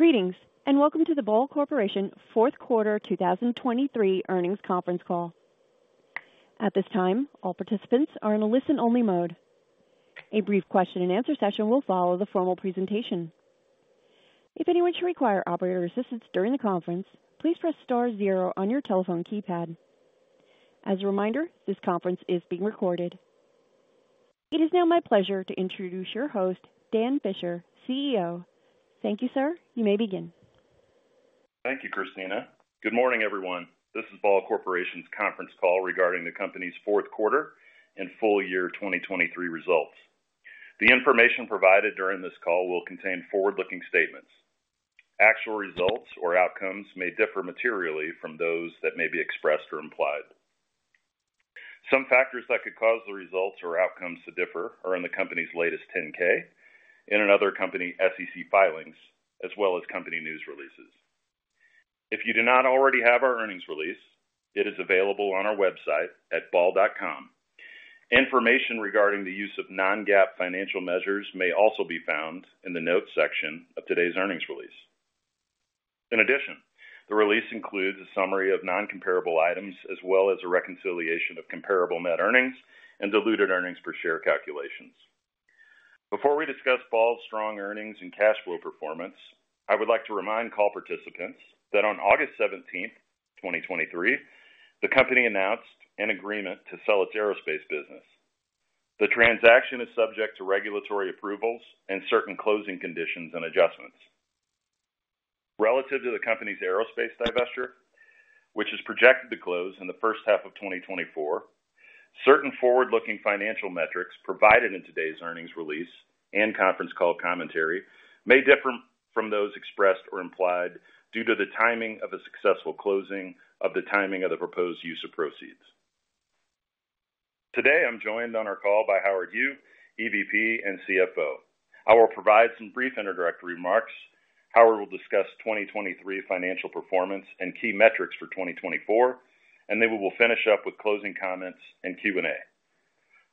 Greetings, and welcome to the Ball Corporation Fourth Quarter 2023 earnings conference call. At this time, all participants are in a listen-only mode. A brief question and answer session will follow the formal presentation. If anyone should require operator assistance during the conference, please press star zero on your telephone keypad. As a reminder, this conference is being recorded. It is now my pleasure to introduce your host, Dan Fisher, CEO. Thank you, sir. You may begin. Thank you, Christina. Good morning, everyone. This is Ball Corporation's conference call regarding the company's fourth quarter and full year 2023 results. The information provided during this call will contain forward-looking statements. Actual results or outcomes may differ materially from those that may be expressed or implied. Some factors that could cause the results or outcomes to differ are in the company's latest 10-K and in other company SEC filings, as well as company news releases. If you do not already have our earnings release, it is available on our website at ball.com. Information regarding the use of non-GAAP financial measures may also be found in the notes section of today's earnings release. In addition, the release includes a summary of non-comparable items, as well as a reconciliation of comparable net earnings and diluted earnings per share calculations. Before we discuss Ball's strong earnings and cash flow performance, I would like to remind call participants that on August 17, 2023, the company announced an agreement to sell its aerospace business. The transaction is subject to regulatory approvals and certain closing conditions and adjustments. Relative to the company's aerospace divestiture, which is projected to close in the first half of 2024, certain forward-looking financial metrics provided in today's earnings release and conference call commentary may differ from those expressed or implied due to the timing of a successful closing of the timing of the proposed use of proceeds. Today, I'm joined on our call by Howard Yu, EVP and CFO. I will provide some brief introductory remarks. Howard will discuss 2023 financial performance and key metrics for 2024, and then we will finish up with closing comments and Q&A.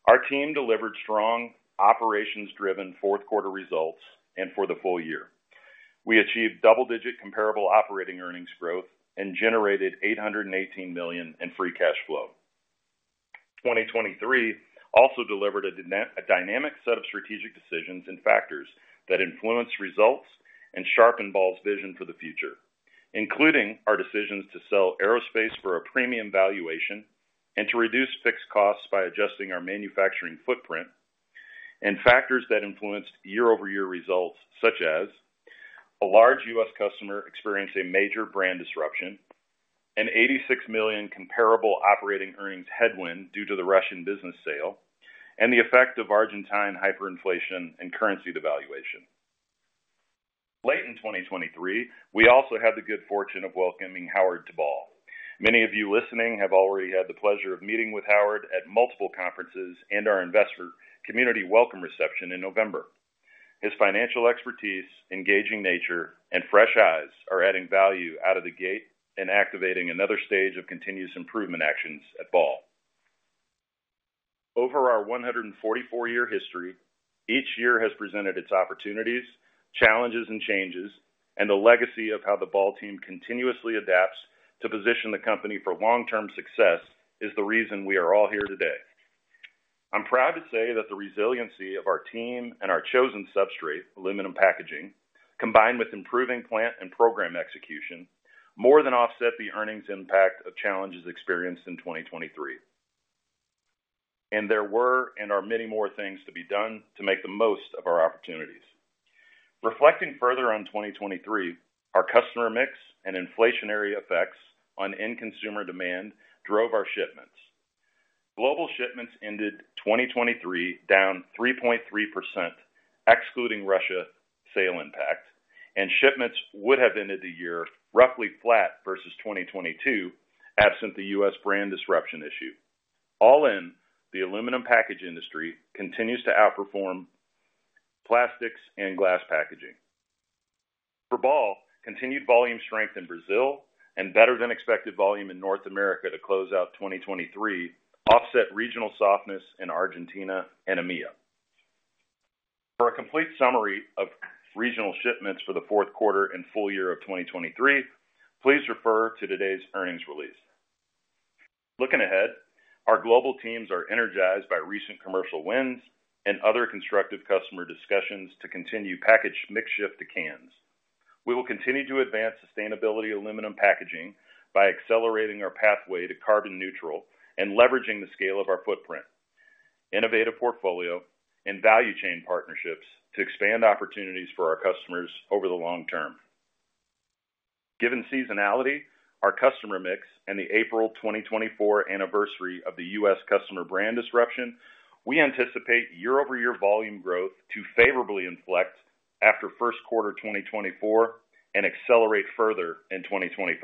Our team delivered strong operations-driven fourth quarter results, and for the full year. We achieved double-digit comparable operating earnings growth and generated $818 million in free cash flow. 2023 also delivered a dynamic set of strategic decisions and factors that influence results and sharpen Ball's vision for the future, including our decisions to sell aerospace for a premium valuation and to reduce fixed costs by adjusting our manufacturing footprint and factors that influenced year-over-year results, such as: a large U.S. customer experienced a major brand disruption, an $86 million comparable operating earnings headwind due to the Russian business sale, and the effect of Argentine hyperinflation and currency devaluation. Late in 2023, we also had the good fortune of welcoming Howard to Ball. Many of you listening have already had the pleasure of meeting with Howard at multiple conferences and our investor community welcome reception in November. His financial expertise, engaging nature, and fresh eyes are adding value out of the gate and activating another stage of continuous improvement actions at Ball. Over our 144-year history, each year has presented its opportunities, challenges, and changes, and a legacy of how the Ball team continuously adapts to position the company for long-term success is the reason we are all here today. I'm proud to say that the resiliency of our team and our chosen substrate, aluminum packaging, combined with improving plant and program execution, more than offset the earnings impact of challenges experienced in 2023. There were and are many more things to be done to make the most of our opportunities. Reflecting further on 2023, our customer mix and inflationary effects on end consumer demand drove our shipments. Global shipments ended 2023, down 3.3%, excluding Russia sale impact, and shipments would have ended the year roughly flat versus 2022, absent the U.S. brand disruption issue. All in, the aluminum package industry continues to outperform plastics and glass packaging. For Ball, continued volume strength in Brazil and better-than-expected volume in North America to close out 2023 offset regional softness in Argentina and EMEA. For a complete summary of regional shipments for the fourth quarter and full year of 2023, please refer to today's earnings release. Looking ahead, our global teams are energized by recent commercial wins and other constructive customer discussions to continue package mix shift to cans. We will continue to advance sustainable aluminum packaging by accelerating our pathway to carbon neutral and leveraging the scale of our footprint, innovative portfolio, and value chain partnerships to expand opportunities for our customers over the long term. Given seasonality, our customer mix, and the April 2024 anniversary of the US customer brand disruption, we anticipate year-over-year volume growth to favorably inflect after first quarter 2024 and accelerate further in 2025.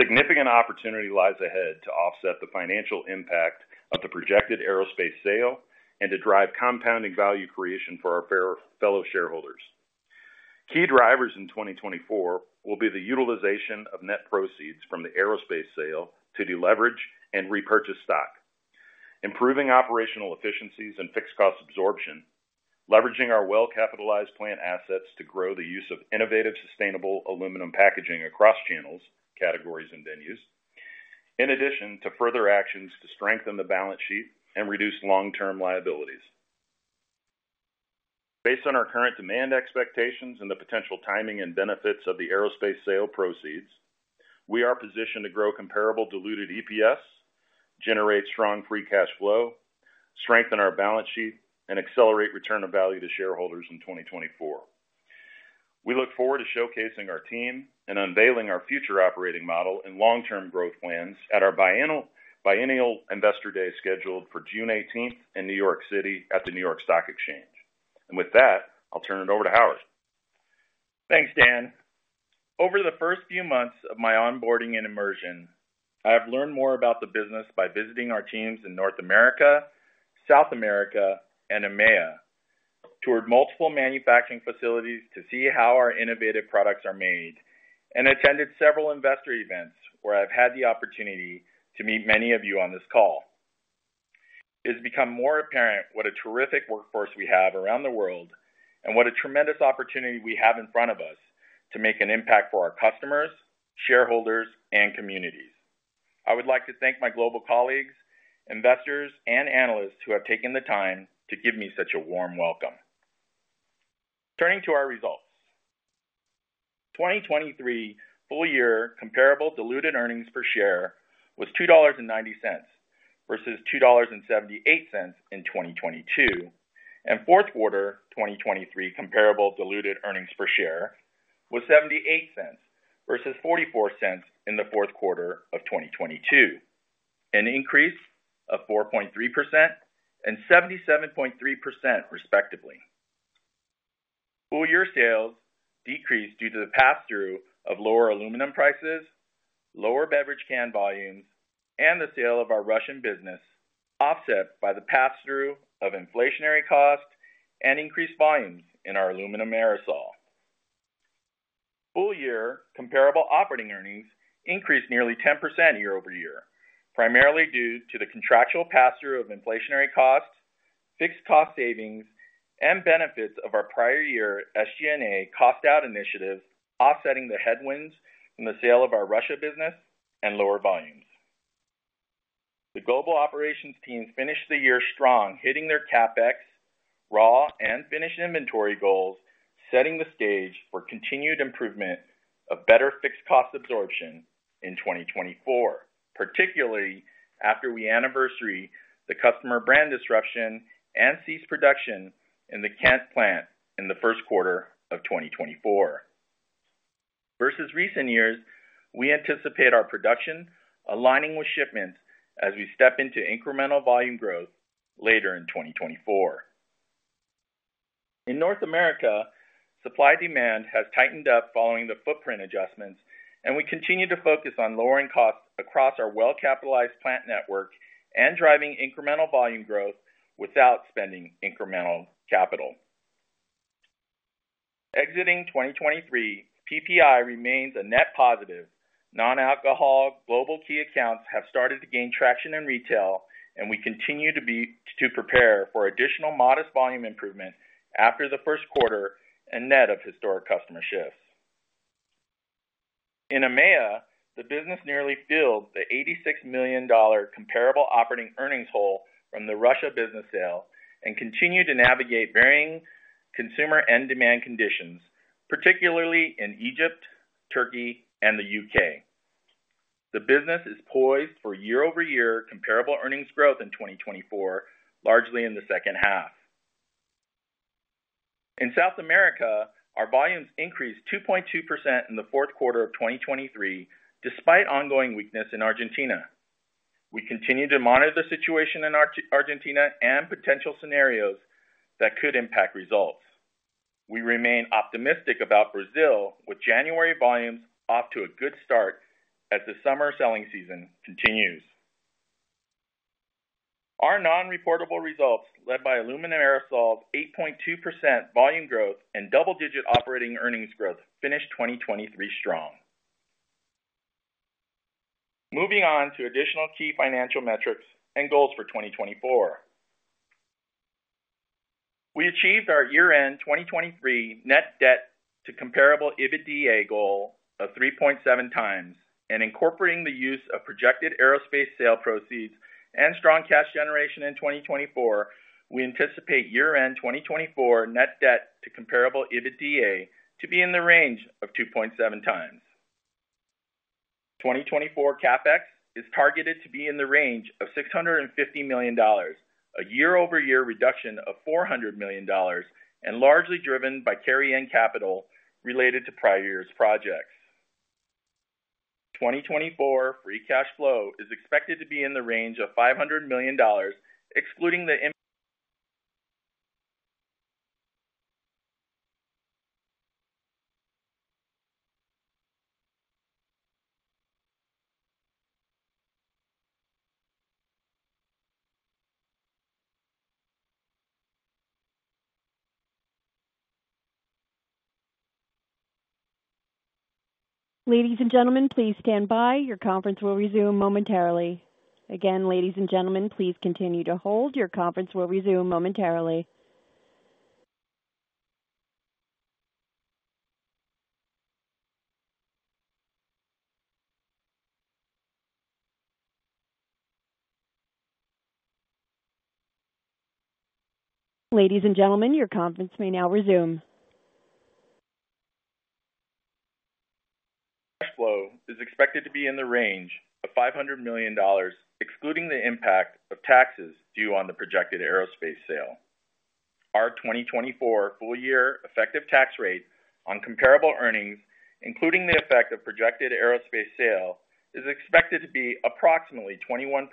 Significant opportunity lies ahead to offset the financial impact of the projected aerospace sale and to drive compounding value creation for our dear fellow shareholders. Key drivers in 2024 will be the utilization of net proceeds from the aerospace sale to deleverage and repurchase stock.... improving operational efficiencies and fixed cost absorption, leveraging our well-capitalized plant assets to grow the use of innovative, sustainable aluminum packaging across channels, categories, and venues, in addition to further actions to strengthen the balance sheet and reduce long-term liabilities. Based on our current demand expectations and the potential timing and benefits of the aerospace sale proceeds, we are positioned to grow comparable diluted EPS, generate strong free cash flow, strengthen our balance sheet, and accelerate return of value to shareholders in 2024. We look forward to showcasing our team and unveiling our future operating model and long-term growth plans at our biennial Investor Day, scheduled for June 18 in New York City at the New York Stock Exchange. And with that, I'll turn it over to Howard. Thanks, Dan. Over the first few months of my onboarding and immersion, I have learned more about the business by visiting our teams in North America, South America, and EMEA, toured multiple manufacturing facilities to see how our innovative products are made, and attended several investor events where I've had the opportunity to meet many of you on this call. It's become more apparent what a terrific workforce we have around the world, and what a tremendous opportunity we have in front of us to make an impact for our customers, shareholders, and communities. I would like to thank my global colleagues, investors, and analysts who have taken the time to give me such a warm welcome. Turning to our results. 2023 full-year comparable diluted earnings per share was $2.90 versus $2.78 in 2022, and fourth quarter 2023 comparable diluted earnings per share was $0.78 versus $0.44 in the fourth quarter of 2022, an increase of 4.3% and 77.3%, respectively. Full-year sales decreased due to the pass-through of lower aluminum prices, lower beverage can volumes, and the sale of our Russian business, offset by the pass-through of inflationary costs and increased volumes in our aluminum aerosol. Full-year comparable operating earnings increased nearly 10% year-over-year, primarily due to the contractual pass-through of inflationary costs, fixed cost savings, and benefits of our prior-year SG&A cost out initiatives, offsetting the headwinds from the sale of our Russia business and lower volumes. The global operations team finished the year strong, hitting their CapEx, raw, and finished inventory goals, setting the stage for continued improvement of better fixed cost absorption in 2024, particularly after we anniversary the customer brand disruption and cease production in the Kent plant in the first quarter of 2024. Versus recent years, we anticipate our production aligning with shipments as we step into incremental volume growth later in 2024. In North America, supply-demand has tightened up following the footprint adjustments, and we continue to focus on lowering costs across our well-capitalized plant network and driving incremental volume growth without spending incremental capital. Exiting 2023, PPI remains a net positive. Non-alcoholic global key accounts have started to gain traction in retail, and we continue to prepare for additional modest volume improvement after the first quarter and net of historic customer shifts. In EMEA, the business nearly filled the $86 million comparable operating earnings hole from the Russia business sale and continued to navigate varying consumer and demand conditions, particularly in Egypt, Turkey, and the UK. The business is poised for year-over-year comparable earnings growth in 2024, largely in the second half. In South America, our volumes increased 2.2% in the fourth quarter of 2023, despite ongoing weakness in Argentina. We continue to monitor the situation in Argentina and potential scenarios that could impact results. We remain optimistic about Brazil, with January volumes off to a good start as the summer selling season continues. Our non-reportable results, led by aluminum aerosols, 8.2% volume growth and double-digit operating earnings growth, finished 2023 strong. Moving on to additional key financial metrics and goals for 2024. We achieved our year-end 2023 net debt to comparable EBITDA goal of 3.7 times, and incorporating the use of projected aerospace sale proceeds and strong cash generation in 2024, we anticipate year-end 2024 net debt to comparable EBITDA to be in the range of 2.7 times. 2024 CapEx is targeted to be in the range of $650 million, a year-over-year reduction of $400 million, and largely driven by carry-in capital related to prior years' projects. 2024 free cash flow is expected to be in the range of $500 million, excluding the im- Ladies and gentlemen, please stand by. Your conference will resume momentarily. Again, ladies and gentlemen, please continue to hold. Your conference will resume momentarily. Ladies and gentlemen, your conference may now resume. ... Cash flow is expected to be in the range of $500 million, excluding the impact of taxes due on the projected aerospace sale. Our 2024 full year effective tax rate on comparable earnings, including the effect of projected aerospace sale, is expected to be approximately 21%,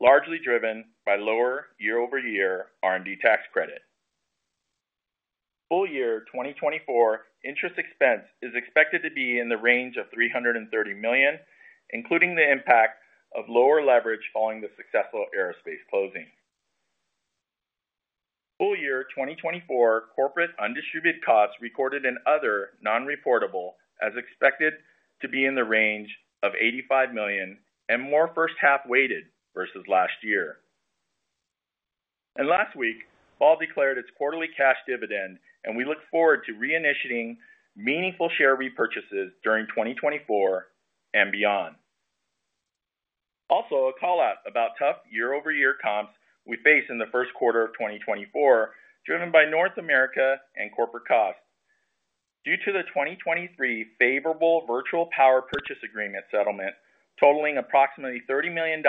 largely driven by lower year-over-year R&D tax credit. Full year 2024 interest expense is expected to be in the range of $330 million, including the impact of lower leverage following the successful aerospace closing. Full year 2024 corporate undistributed costs recorded in other non-reportable, as expected to be in the range of $85 million and more first half weighted versus last year. Last week, Ball declared its quarterly cash dividend, and we look forward to reinitiating meaningful share repurchases during 2024 and beyond. Also, a call out about tough year-over-year comps we face in the first quarter of 2024, driven by North America and corporate costs. Due to the 2023 favorable virtual power purchase agreement settlement, totaling approximately $30 million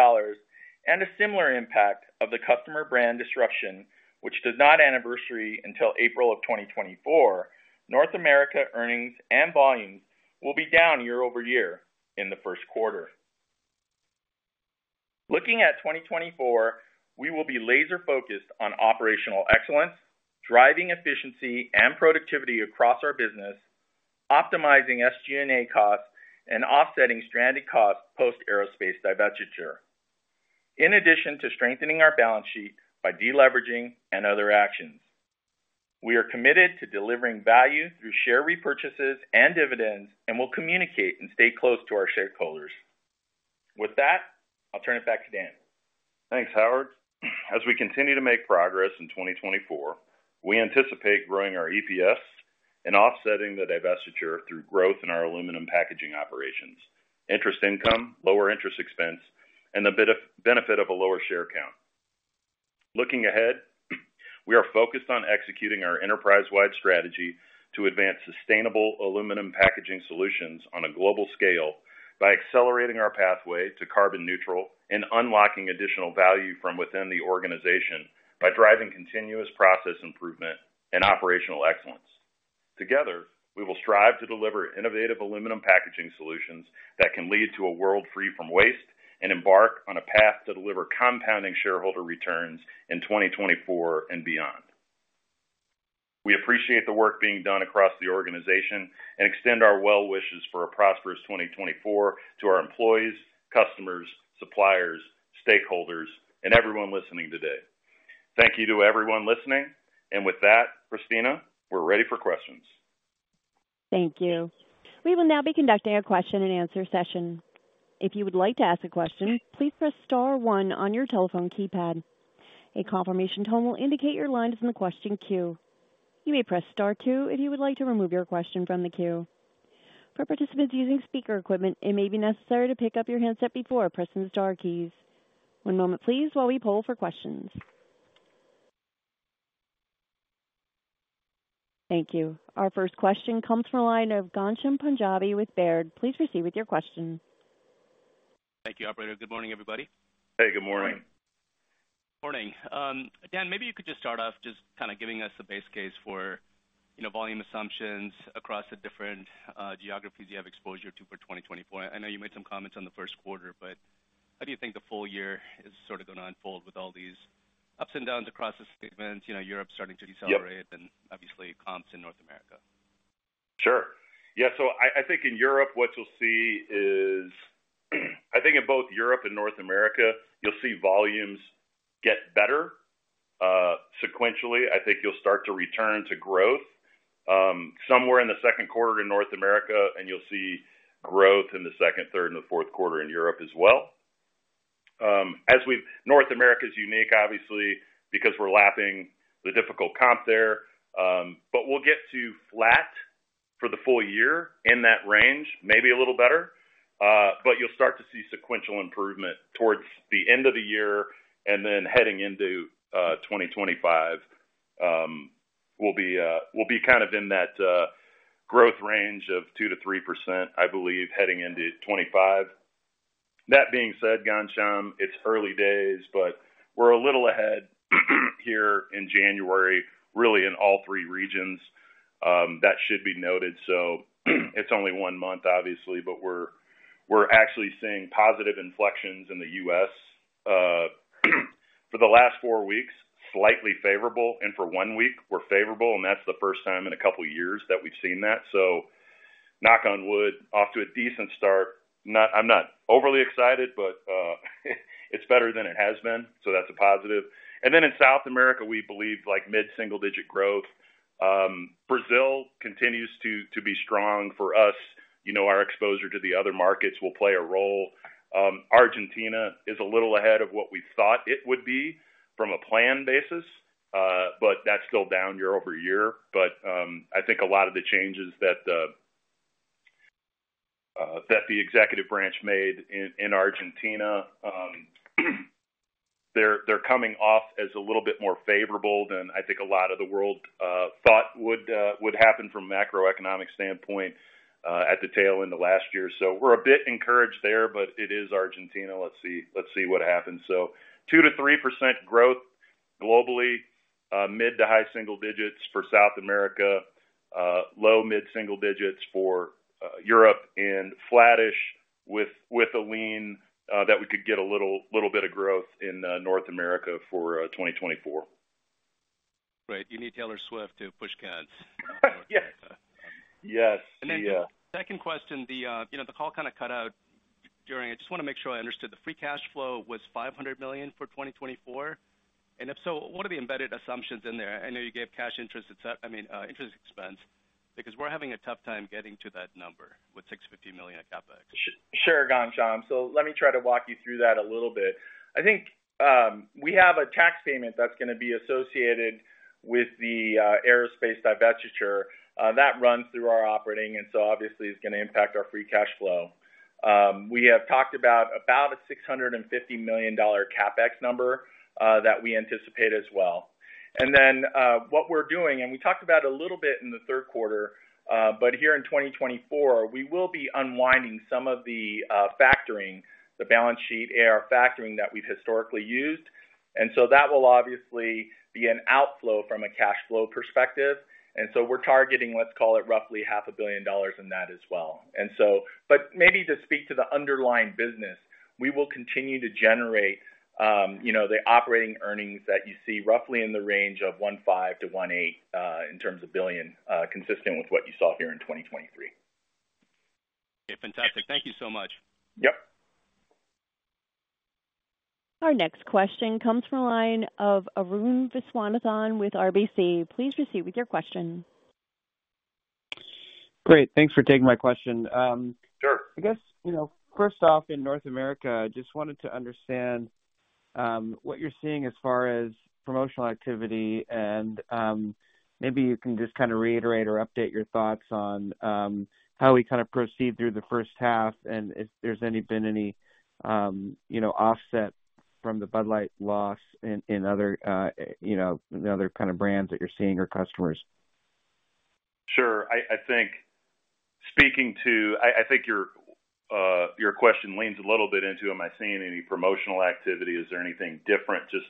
and a similar impact of the customer brand disruption, which does not anniversary until April of 2024, North America earnings and volumes will be down year-over-year in the first quarter. Looking at 2024, we will be laser focused on operational excellence, driving efficiency and productivity across our business, optimizing SG&A costs and offsetting stranded costs post aerospace divestiture, in addition to strengthening our balance sheet by deleveraging and other actions. We are committed to delivering value through share repurchases and dividends, and we'll communicate and stay close to our shareholders. With that, I'll turn it back to Dan. Thanks, Howard. As we continue to make progress in 2024, we anticipate growing our EPS and offsetting the divestiture through growth in our aluminum packaging operations, interest income, lower interest expense, and the benefit of a lower share count. Looking ahead, we are focused on executing our enterprise-wide strategy to advance sustainable aluminum packaging solutions on a global scale by accelerating our pathway to carbon neutral and unlocking additional value from within the organization by driving continuous process improvement and operational excellence. Together, we will strive to deliver innovative aluminum packaging solutions that can lead to a world free from waste and embark on a path to deliver compounding shareholder returns in 2024 and beyond. We appreciate the work being done across the organization and extend our well wishes for a prosperous 2024 to our employees, customers, suppliers, stakeholders, and everyone listening today. Thank you to everyone listening. With that, Christina, we're ready for questions. Thank you. We will now be conducting a question and answer session. If you would like to ask a question, please press star one on your telephone keypad. A confirmation tone will indicate your line is in the question queue. You may press Star two if you would like to remove your question from the queue. For participants using speaker equipment, it may be necessary to pick up your handset before pressing the star keys. One moment, please, while we poll for questions. Thank you. Our first question comes from a line of Ghansham Panjabi with Baird. Please proceed with your question. Thank you, operator. Good morning, everybody. Hey, good morning. Morning. Dan, maybe you could just start off just kind of giving us the base case for, you know, volume assumptions across the different geographies you have exposure to for 2024. I know you made some comments on the first quarter, but how do you think the full year is sort of going to unfold with all these ups and downs across the statements? You know, Europe starting to decelerate- Yep. And obviously comps in North America. Sure. Yeah, so I think in Europe, what you'll see is, I think in both Europe and North America, you'll see volumes get better sequentially. I think you'll start to return to growth somewhere in the second quarter in North America, and you'll see growth in the second, third, and the fourth quarter in Europe as well. North America is unique, obviously, because we're lapping the difficult comp there. But we'll get to flat for the full year in that range, maybe a little better. But you'll start to see sequential improvement towards the end of the year, and then heading into 2025, we'll be, we'll be kind of in that growth range of 2%-3%, I believe, heading into 2025. That being said, Ghansham, it's early days, but we're a little ahead here in January, really in all three regions. That should be noted. So it's only one month, obviously, but we're actually seeing positive inflections in the US for the last four weeks, slightly favorable, and for one week we're favorable, and that's the first time in a couple of years that we've seen that. So knock on wood, off to a decent start. Not, I'm not overly excited, but it's better than it has been, so that's a positive. And then in South America, we believe, like, mid-single-digit growth. Brazil continues to be strong for us. You know, our exposure to the other markets will play a role. Argentina is a little ahead of what we thought it would be from a plan basis, but that's still down year-over-year. But, I think a lot of the changes that the executive branch made in Argentina, they're coming off as a little bit more favorable than I think a lot of the world thought would happen from a macroeconomic standpoint, at the tail end of last year. So we're a bit encouraged there, but it is Argentina. Let's see what happens. So 2%-3% growth globally, mid- to high-single digits for South America, low-mid single digits for Europe, and flattish with a lean that we could get a little bit of growth in North America for 2024. Right. You need Taylor Swift to push cans. Yes. Yes, we do. Then second question, the, you know, the call kind of cut out during... I just wanna make sure I understood. The free cash flow was $500 million for 2024? And if so, what are the embedded assumptions in there? I know you gave cash interest, et cetera—I mean, interest expense, because we're having a tough time getting to that number with $650 million in CapEx. Sure, Ghansham. So let me try to walk you through that a little bit. I think, we have a tax payment that's gonna be associated with the, aerospace divestiture, that runs through our operating, and so obviously, it's gonna impact our free cash flow. We have talked about, about a $650 million CapEx number, that we anticipate as well. And then, what we're doing, and we talked about a little bit in the third quarter, but here in 2024, we will be unwinding some of the, factoring, the balance sheet, AR factoring that we've historically used. And so that will obviously be an outflow from a cash flow perspective, and so we're targeting, let's call it, roughly $500 million in that as well. But maybe to speak to the underlying business, we will continue to generate, you know, the operating earnings that you see roughly in the range of $1.5 billion-$1.8 billion, consistent with what you saw here in 2023. Okay, fantastic. Thank you so much. Yep. Our next question comes from the line of Arun Viswanathan with RBC. Please proceed with your question. Great. Thanks for taking my question. Sure. I guess, you know, first off, in North America, I just wanted to understand what you're seeing as far as promotional activity, and maybe you can just kind of reiterate or update your thoughts on how we kind of proceed through the first half, and if there's been any, you know, offset from the Bud Light loss in other kind of brands that you're seeing or customers? Sure. I think your question leans a little bit into: am I seeing any promotional activity? Is there anything different just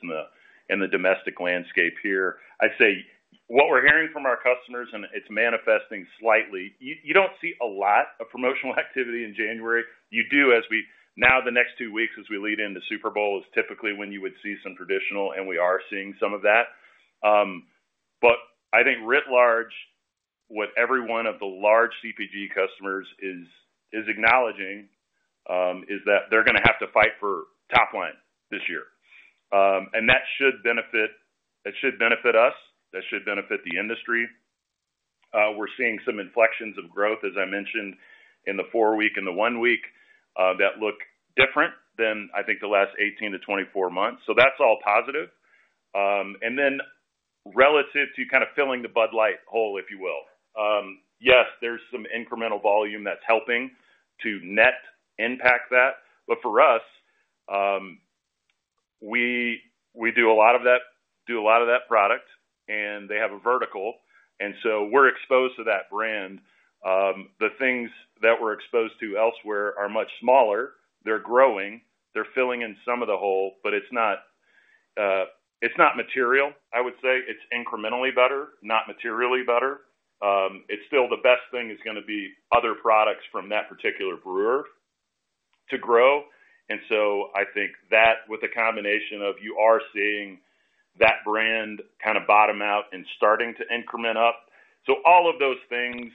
in the domestic landscape here? I'd say what we're hearing from our customers, and it's manifesting slightly, you don't see a lot of promotional activity in January. You do now, the next two weeks, as we lead into Super Bowl, is typically when you would see some traditional, and we are seeing some of that. But I think writ large, what every one of the large CPG customers is acknowledging is that they're gonna have to fight for top line this year. And that should benefit us, that should benefit the industry. We're seeing some inflections of growth, as I mentioned, in the four-week and the one-week that look different than, I think, the last 18-24 months. So that's all positive. And then relative to kind of filling the Bud Light hole, if you will, yes, there's some incremental volume that's helping to net impact that. But for us, we do a lot of that product, and they have a vertical, and so we're exposed to that brand. The things that we're exposed to elsewhere are much smaller. They're growing, they're filling in some of the hole, but it's not, it's not material, I would say. It's incrementally better, not materially better. It's still the best thing is gonna be other products from that particular brewer to grow. I think that with a combination of you are seeing that brand kind of bottom out and starting to increment up. So all of those things,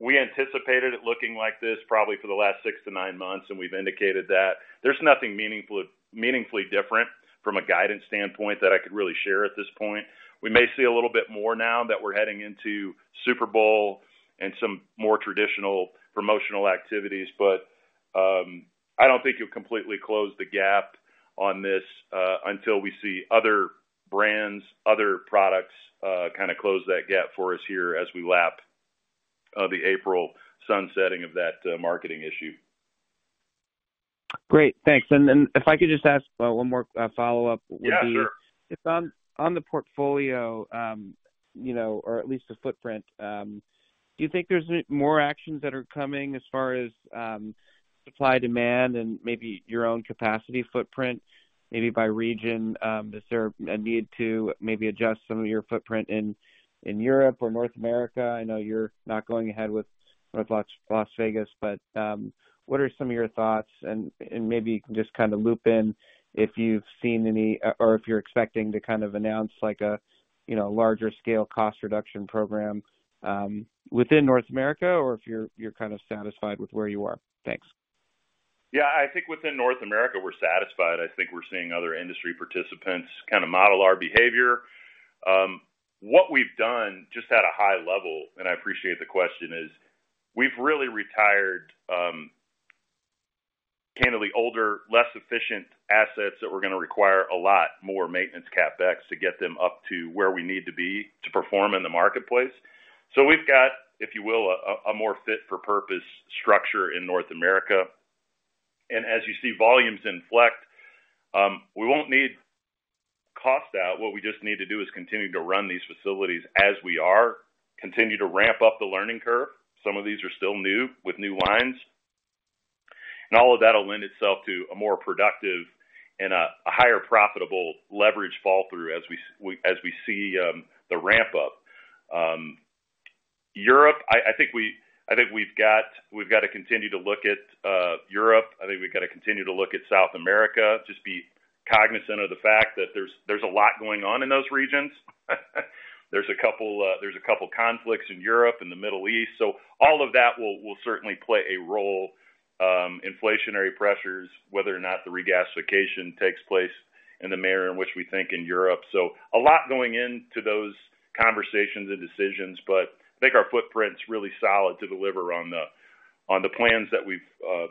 we anticipated it looking like this probably for the last 6-9 months, and we've indicated that. There's nothing meaningful, meaningfully different from a guidance standpoint that I could really share at this point. We may see a little bit more now that we're heading into Super Bowl and some more traditional promotional activities, but I don't think you'll completely close the gap on this until we see other brands, other products kind of close that gap for us here as we lap the April sunsetting of that marketing issue. Great. Thanks. And then if I could just ask, one more, follow-up would be- Yeah, sure. Just on the portfolio, you know, or at least the footprint, do you think there's more actions that are coming as far as supply, demand and maybe your own capacity footprint, maybe by region? Is there a need to maybe adjust some of your footprint in Europe or North America? I know you're not going ahead with Las Vegas, but what are some of your thoughts? And maybe you can just kind of loop in if you've seen any, or if you're expecting to kind of announce like a, you know, larger scale cost reduction program within North America, or if you're kind of satisfied with where you are. Thanks.... Yeah, I think within North America, we're satisfied. I think we're seeing other industry participants kind of model our behavior. What we've done, just at a high level, and I appreciate the question, is we've really retired, candidly, older, less efficient assets that were gonna require a lot more maintenance CapEx to get them up to where we need to be to perform in the marketplace. So we've got, if you will, a more fit for purpose structure in North America. And as you see volumes inflect, we won't need cost out. What we just need to do is continue to run these facilities as we are, continue to ramp up the learning curve. Some of these are still new with new lines. And all of that will lend itself to a more productive and a higher profitable leverage fall through as we see the ramp up. Europe, I think we've got to continue to look at Europe. I think we've got to continue to look at South America, just be cognizant of the fact that there's a lot going on in those regions. There's a couple conflicts in Europe and the Middle East, so all of that will certainly play a role, inflationary pressures, whether or not the regasification takes place in the manner in which we think in Europe. So a lot going into those conversations and decisions, but I think our footprint's really solid to deliver on the plans that we've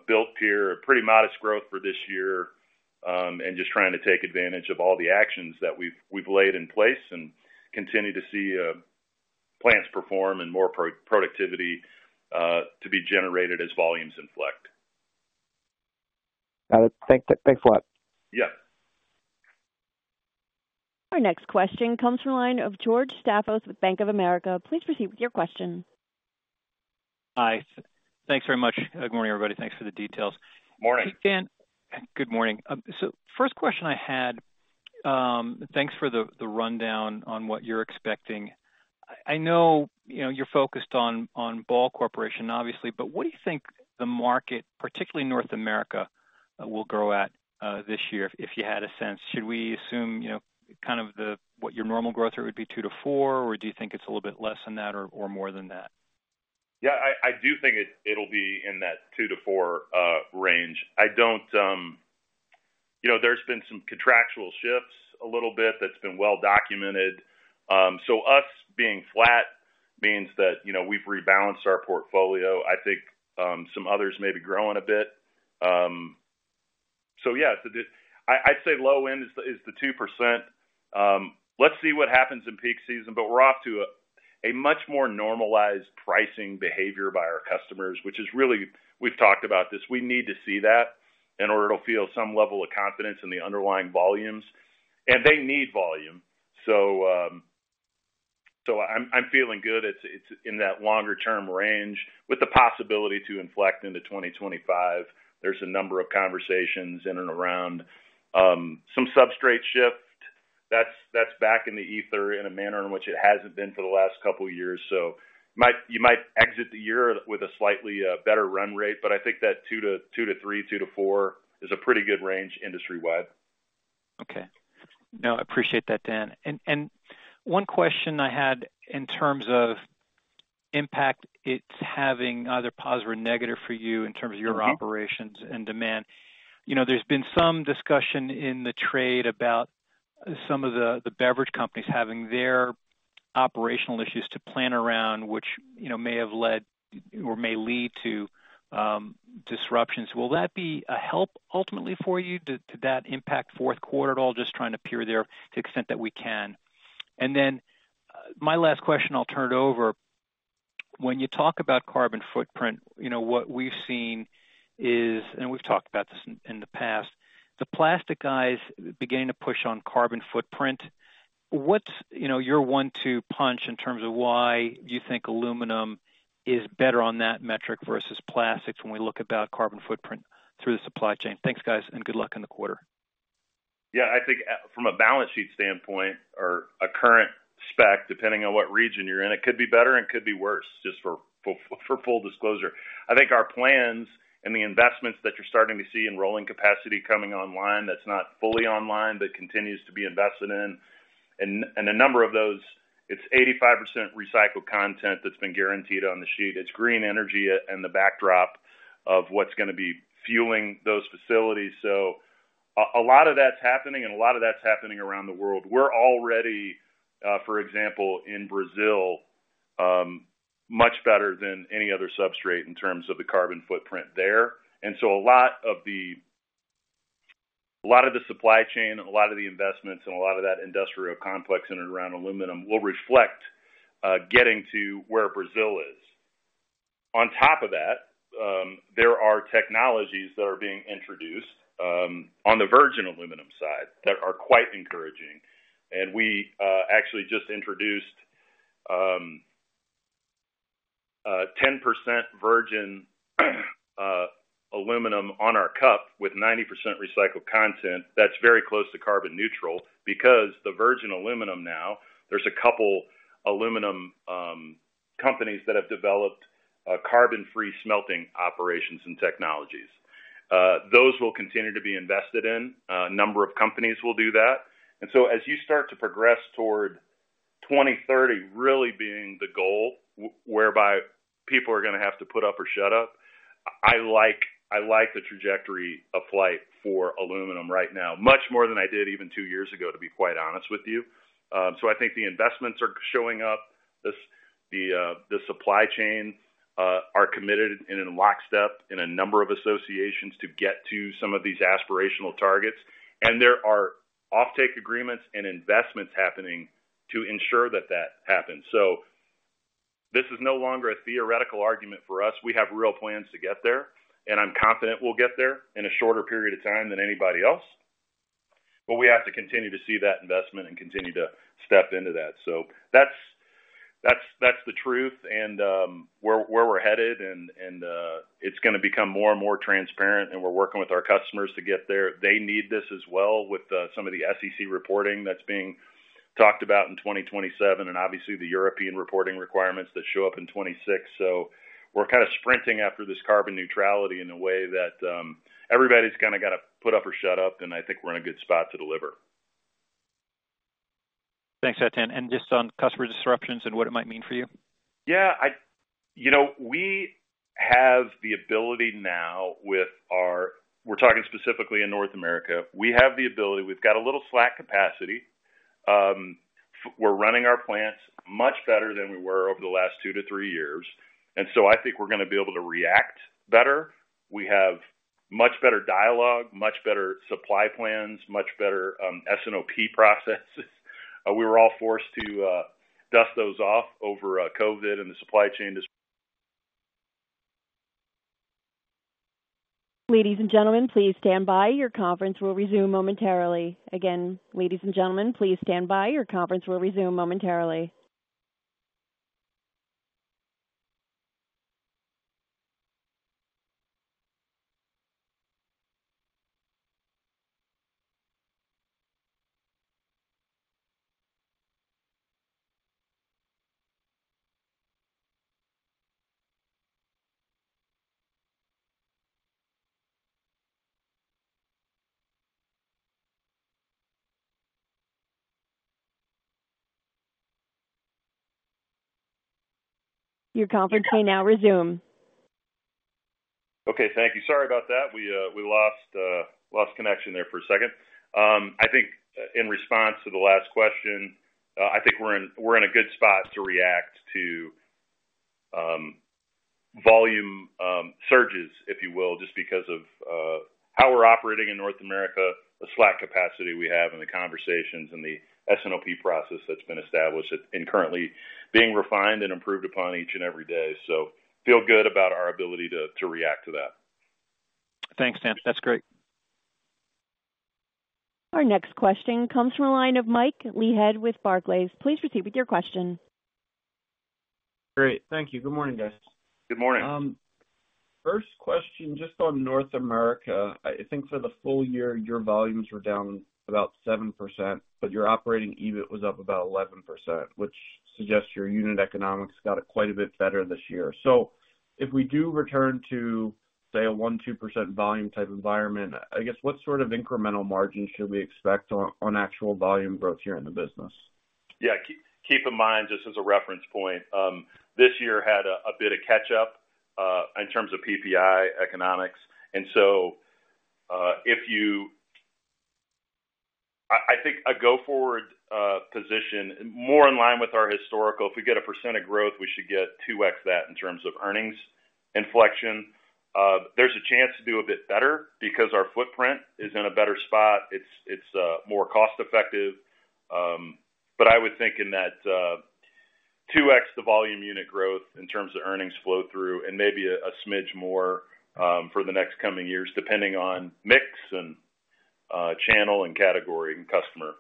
built here. A pretty modest growth for this year, and just trying to take advantage of all the actions that we've laid in place and continue to see plants perform and more productivity to be generated as volumes inflect. Got it. Thanks a lot. Yeah. Our next question comes from the line of George Staphos with Bank of America. Please proceed with your question. Hi. Thanks very much. Good morning, everybody. Thanks for the details. Morning. Dan, good morning. So first question I had, thanks for the rundown on what you're expecting. I know, you know, you're focused on Ball Corporation, obviously, but what do you think the market, particularly North America, will grow at this year? If you had a sense, should we assume, you know, kind of what your normal growth rate would be, 2-4, or do you think it's a little bit less than that or more than that? Yeah, I do think it'll be in that 2-4 range. I don't... You know, there's been some contractual shifts a little bit that's been well documented. So us being flat means that, you know, we've rebalanced our portfolio. I think some others may be growing a bit. So yeah, I'd say low end is the 2%. Let's see what happens in peak season, but we're off to a much more normalized pricing behavior by our customers, which is really we've talked about this. We need to see that in order to feel some level of confidence in the underlying volumes. And they need volume. So, I'm feeling good. It's in that longer term range with the possibility to inflect into 2025. There's a number of conversations in and around some substrate shift. That's back in the ether in a manner in which it hasn't been for the last couple of years. So you might exit the year with a slightly better run rate, but I think that 2-3 to 2-4 is a pretty good range industry-wide. Okay. No, I appreciate that, Dan. And one question I had in terms of impact it's having, either positive or negative for you in terms of your operations and demand. You know, there's been some discussion in the trade about some of the beverage companies having their operational issues to plan around, which, you know, may have led or may lead to disruptions. Will that be a help ultimately for you? Did that impact fourth quarter at all? Just trying to peer there to the extent that we can. And then my last question, I'll turn it over. When you talk about carbon footprint, you know, what we've seen is, and we've talked about this in the past, the plastic guys beginning to push on carbon footprint. What's, you know, your one-two punch in terms of why you think aluminum is better on that metric versus plastics, when we look about carbon footprint through the supply chain? Thanks, guys, and good luck in the quarter. Yeah, I think from a balance sheet standpoint or a current spec, depending on what region you're in, it could be better and could be worse, just for full disclosure. I think our plans and the investments that you're starting to see in rolling capacity coming online, that's not fully online, but continues to be invested in, and a number of those, it's 85% recycled content that's been guaranteed on the sheet. It's green energy and the backdrop of what's gonna be fueling those facilities. So a lot of that's happening, and a lot of that's happening around the world. We're already, for example, in Brazil, much better than any other substrate in terms of the carbon footprint there. And so a lot of the... A lot of the supply chain, a lot of the investments, and a lot of that industrial complex in and around aluminum will reflect getting to where Brazil is. On top of that, there are technologies that are being introduced on the virgin aluminum side that are quite encouraging, and we actually just introduced 10% virgin aluminum on our cup with 90% recycled content. That's very close to carbon neutral because the virgin aluminum now, there's a couple aluminum companies that have developed carbon-free smelting operations and technologies. Those will continue to be invested in. A number of companies will do that. And so as you start to progress toward 2030 really being the goal, whereby people are going to have to put up or shut up. I like, I like the trajectory of flight for aluminum right now, much more than I did even two years ago, to be quite honest with you. So I think the investments are showing up. The supply chain are committed in lockstep in a number of associations to get to some of these aspirational targets. And there are offtake agreements and investments happening to ensure that that happens. So this is no longer a theoretical argument for us. We have real plans to get there, and I'm confident we'll get there in a shorter period of time than anybody else. But we have to continue to see that investment and continue to step into that. So that's the truth and where we're headed, and it's going to become more and more transparent, and we're working with our customers to get there. They need this as well, with some of the SEC reporting that's being talked about in 2027, and obviously the European reporting requirements that show up in 2026. So we're kind of sprinting after this carbon neutrality in a way that everybody's kind of got to put up or shut up, and I think we're in a good spot to deliver. Thanks, Dan. Just on customer disruptions and what it might mean for you? Yeah, you know, we have the ability now with our... We're talking specifically in North America. We have the ability; we've got a little slack capacity. We're running our plants much better than we were over the last two to three years, and so I think we're going to be able to react better. We have much better dialogue, much better supply plans, much better S&OP processes. We were all forced to dust those off over COVID and the supply chain dis- Ladies and gentlemen, please stand by. Your conference will resume momentarily. Again, ladies and gentlemen, please stand by. Your conference will resume momentarily. Your conference may now resume. Okay, thank you. Sorry about that. We lost connection there for a second. I think in response to the last question, I think we're in a good spot to react to volume surges, if you will, just because of how we're operating in North America, the slack capacity we have in the conversations and the S&OP process that's been established and currently being refined and improved upon each and every day. So feel good about our ability to react to that. Thanks, Dan. That's great. Our next question comes from the line of Mike Leithead with Barclays. Please proceed with your question. Great. Thank you. Good morning, guys. Good morning. First question, just on North America. I think for the full year, your volumes were down about 7%, but your operating EBIT was up about 11%, which suggests your unit economics got quite a bit better this year. So if we do return to, say, a 1%-2% volume type environment, I guess, what sort of incremental margin should we expect on actual volume growth here in the business? Yeah. Keep in mind, just as a reference point, this year had a bit of catch up in terms of PPI economics. And so, if you... I think a go-forward position more in line with our historical. If we get 1% of growth, we should get 2x that in terms of earnings inflection. There's a chance to do a bit better because our footprint is in a better spot. It's more cost-effective. But I would think in that 2x, the volume unit growth in terms of earnings flow through and maybe a smidge more for the next coming years, depending on mix and channel and category and customer.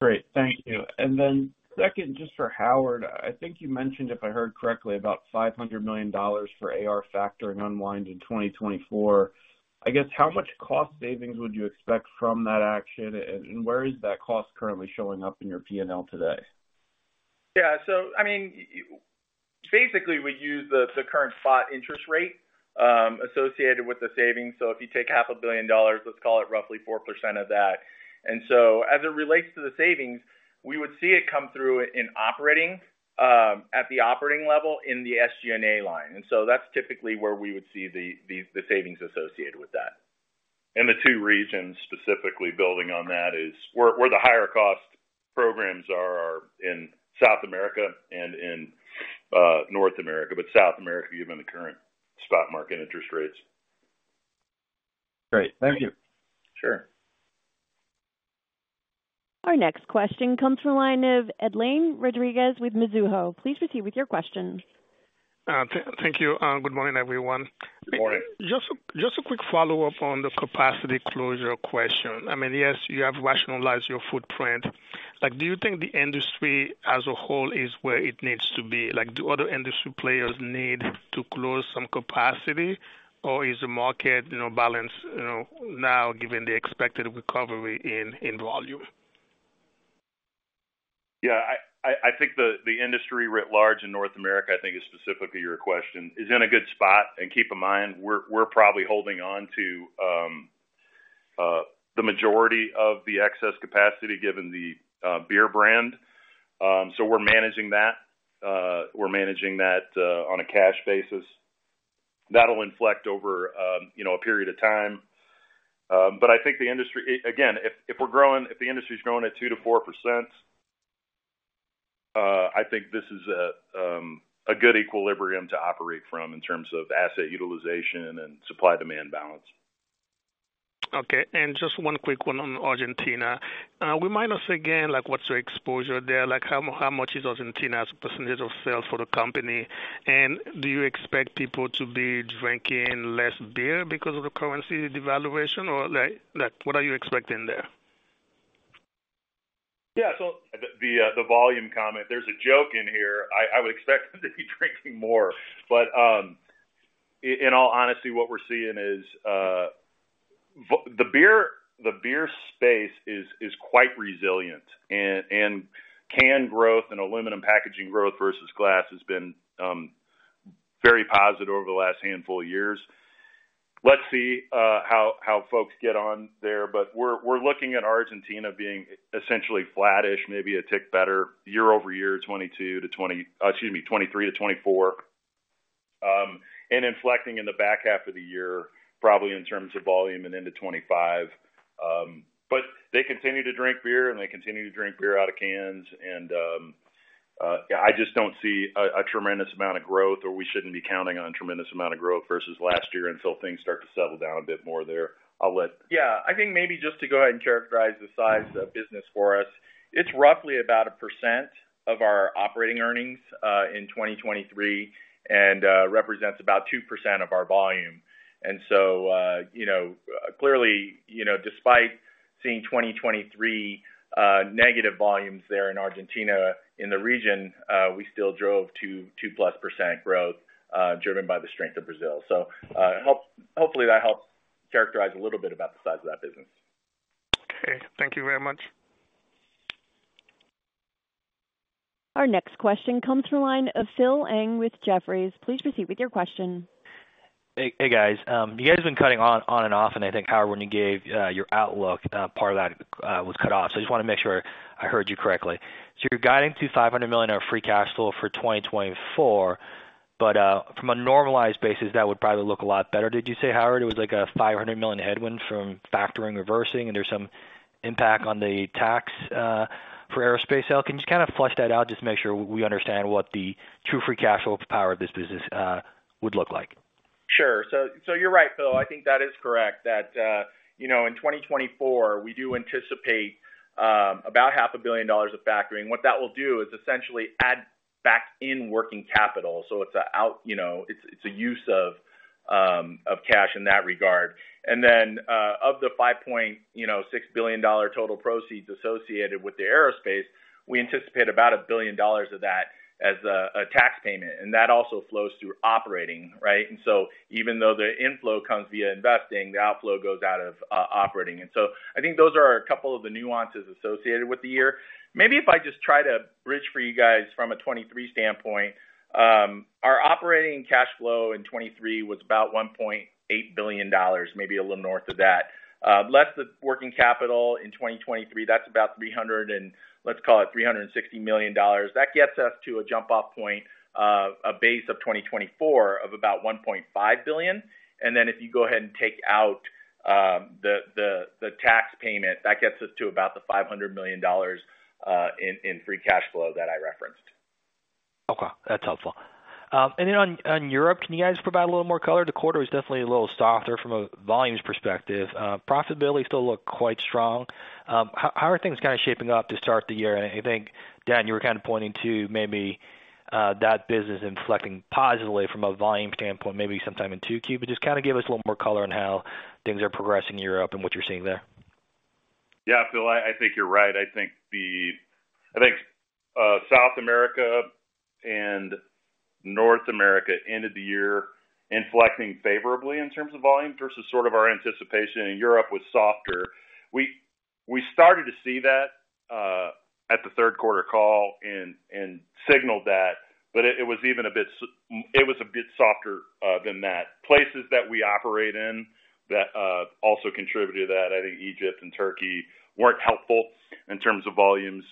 Great. Thank you. And then second, just for Howard, I think you mentioned, if I heard correctly, about $500 million for AR factoring unwind in 2024. I guess, how much cost savings would you expect from that action, and where is that cost currently showing up in your P&L today? Yeah. So I mean, basically, we use the current spot interest rate associated with the savings. So if you take $500 million, let's call it roughly 4% of that. And so as it relates to the savings, we would see it come through in operating at the operating level in the SG&A line. And so that's typically where we would see the savings associated with that. And the two regions, specifically building on that, is where the higher cost programs are in South America and in North America, but South America, given the current spot market interest rates. Great. Thank you. Sure. Our next question comes from a line of Edlain Rodriguez with Mizuho. Please proceed with your question. Thank you. Good morning, everyone. Good morning. Just a quick follow-up on the capacity closure question. I mean, yes, you have rationalized your footprint. Like, do you think the industry as a whole is where it needs to be? Like, do other industry players need to close some capacity, or is the market, you know, balanced, you know, now, given the expected recovery in volume?... Yeah, I think the industry writ large in North America, I think, specifically your question, is in a good spot. And keep in mind, we're probably holding on to the majority of the excess capacity given the beer brand. So we're managing that. We're managing that on a cash basis. That'll inflect over, you know, a period of time. But I think the industry, again, if we're growing, if the industry is growing at 2%-4%, I think this is a good equilibrium to operate from in terms of asset utilization and supply-demand balance. Okay, and just one quick one on Argentina. Remind us again, like, what's your exposure there? Like, how much is Argentina as a percentage of sales for the company? And do you expect people to be drinking less beer because of the currency devaluation, or, like, what are you expecting there? Yeah, so the volume comment, there's a joke in here. I would expect them to be drinking more. But in all honesty, what we're seeing is the beer space is quite resilient, and can growth and aluminum packaging growth versus glass has been very positive over the last handful of years. Let's see how folks get on there, but we're looking at Argentina being essentially flattish, maybe a tick better year-over-year, 2023-2024. And inflecting in the back half of the year, probably in terms of volume and into 2025. But they continue to drink beer, and they continue to drink beer out of cans. Yeah, I just don't see a tremendous amount of growth, or we shouldn't be counting on a tremendous amount of growth versus last year until things start to settle down a bit more there. I'll let- Yeah, I think maybe just to go ahead and characterize the size of the business for us, it's roughly about 1% of our operating earnings in 2023, and represents about 2% of our volume. And so, you know, clearly, you know, despite seeing 2023 negative volumes there in Argentina, in the region, we still drove 2+ percent growth driven by the strength of Brazil. Hopefully, that helps characterize a little bit about the size of that business. Okay, thank you very much. Our next question comes from the line of Phil Ng with Jefferies. Please proceed with your question. Hey, hey, guys. You guys have been cutting on and off, and I think, Howard, when you gave your outlook, part of that was cut off, so I just want to make sure I heard you correctly. So you're guiding to $500 million in free cash flow for 2024, but from a normalized basis, that would probably look a lot better. Did you say, Howard, it was like a $500 million headwind from factoring, reversing, and there's some impact on the tax for aerospace sale? Can you just kind of flesh that out, just to make sure we understand what the true free cash flow power of this business would look like? Sure. So, so you're right, Phil. I think that is correct, that, you know, in 2024, we do anticipate about $500 million of factoring. What that will do is essentially add back in working capital. So it's an out, you know, it's, it's a use of of cash in that regard. And then, of the $5.6 billion total proceeds associated with the aerospace, we anticipate about $1 billion of that as a, a tax payment, and that also flows through operating, right? And so I think those are a couple of the nuances associated with the year. Maybe if I just try to bridge for you guys from a 2023 standpoint, our operating cash flow in 2023 was about $1.8 billion, maybe a little north of that. Less the working capital in 2023, that's about $300 million, let's call it $360 million. That gets us to a jump-off point, a base of 2024 of about $1.5 billion. And then if you go ahead and take out the tax payment, that gets us to about $500 million in free cash flow that I referenced. Okay, that's helpful. And then on Europe, can you guys provide a little more color? The quarter was definitely a little softer from a volumes perspective. Profitability still looked quite strong. How are things kind of shaping up to start the year? I think, Dan, you were kind of pointing to maybe that business inflecting positively from a volume standpoint, maybe sometime in 2Q. But just kind of give us a little more color on how things are progressing in Europe and what you're seeing there. Yeah, Phil, I think you're right. I think South America and North America ended the year inflecting favorably in terms of volume versus sort of our anticipation, and Europe was softer. We started to see that at the third quarter call and signaled that, but it was even a bit softer than that. Places that we operate in also contributed to that, I think Egypt and Turkey weren't helpful in terms of volumes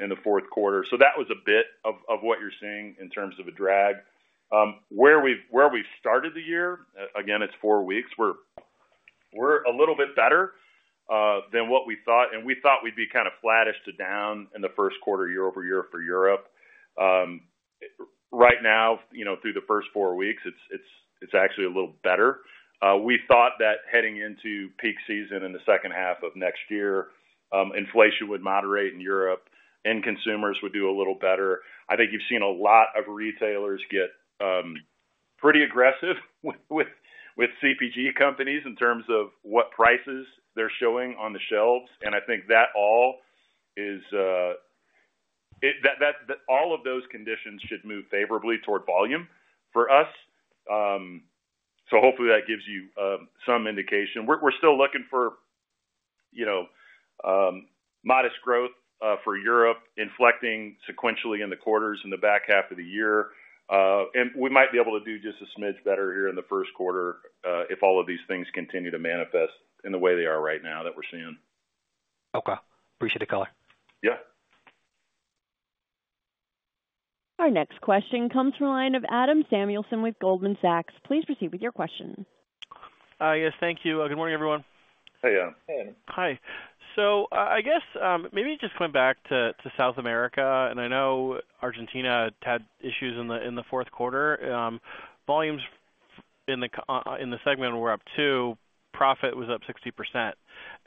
in the fourth quarter. So that was a bit of what you're seeing in terms of a drag. Where we've started the year, again, it's four weeks, we're a little bit better than what we thought, and we thought we'd be kind of flattish to down in the first quarter, year-over-year for Europe. Right now, you know, through the first four weeks, it's actually a little better. We thought that heading into peak season in the second half of next year, inflation would moderate in Europe and consumers would do a little better. I think you've seen a lot of retailers get pretty aggressive with CPG companies in terms of what prices they're showing on the shelves. And I think that all of those conditions should move favorably toward volume for us. So hopefully that gives you some indication. We're still looking for, you know, modest growth for Europe, inflecting sequentially in the quarters in the back half of the year. And we might be able to do just a smidge better here in the first quarter, if all of these things continue to manifest in the way they are right now that we're seeing. Okay. Appreciate the color. Yeah. Our next question comes from the line of Adam Samuelson with Goldman Sachs. Please proceed with your question. Yes, thank you. Good morning, everyone. Hey, Adam. Hey. Hi. I guess, maybe just going back to South America, and I know Argentina had issues in the fourth quarter. Volumes in the segment were up two, profit was up 60%.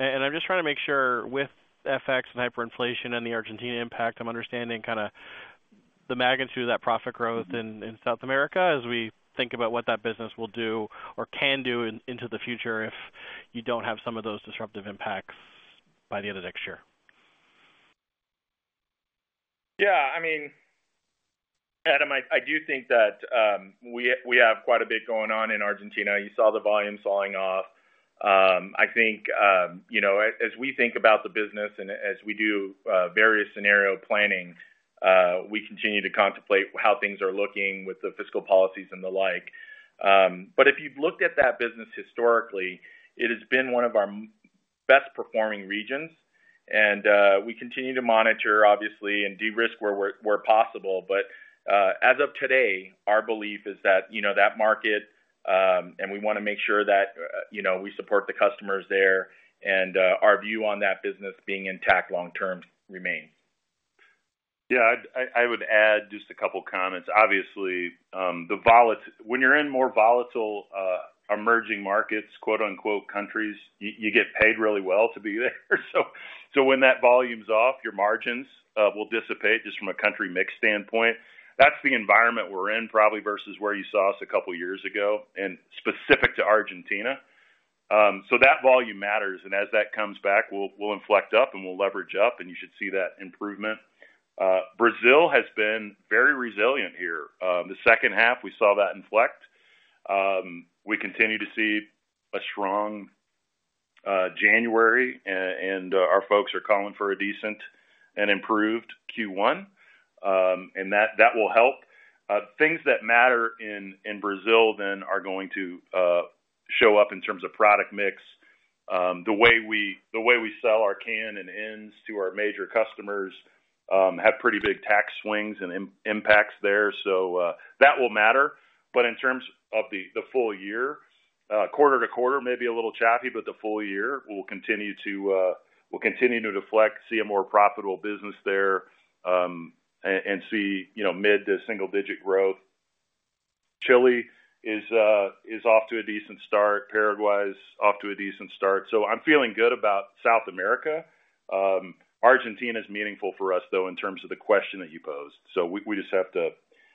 I'm just trying to make sure with FX and hyperinflation and the Argentina impact, I'm understanding kind of the magnitude of that profit growth in South America as we think about what that business will do or can do into the future if you don't have some of those disruptive impacts by the end of next year. Yeah, I mean, Adam, I do think that we have quite a bit going on in Argentina. You saw the volume falling off. I think you know, as we think about the business and as we do various scenario planning, we continue to contemplate how things are looking with the fiscal policies and the like. But if you've looked at that business historically, it has been one of our best performing regions, and we continue to monitor, obviously, and de-risk where possible. But as of today, our belief is that you know, that market, and we wanna make sure that you know, we support the customers there, and our view on that business being intact long term remains. Yeah, I'd I would add just a couple comments. Obviously, the volatility—when you're in more volatile, emerging markets, quote-unquote, countries, you get paid really well to be there. So when that volume's off, your margins will dissipate just from a country mix standpoint. That's the environment we're in, probably versus where you saw us a couple of years ago and specific to Argentina. So that volume matters, and as that comes back, we'll inflect up and we'll leverage up, and you should see that improvement. Brazil has been very resilient here. The second half, we saw that inflect. We continue to see a strong January, and our folks are calling for a decent and improved Q1, and that will help. Things that matter in Brazil then are going to show up in terms of product mix. The way we sell our can and ends to our major customers have pretty big tax swings and impacts there, so that will matter. But in terms of the full year, quarter to quarter may be a little choppy, but the full year, we'll continue to deflect, see a more profitable business there, and see, you know, mid to single-digit growth. Chile is off to a decent start. Paraguay is off to a decent start, so I'm feeling good about South America. Argentina is meaningful for us, though, in terms of the question that you posed. So we just have to...